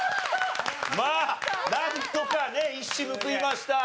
まあなんとかね一矢報いました。